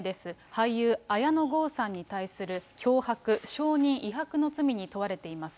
俳優、綾野剛さんに対する脅迫、証人威迫の罪に問われています。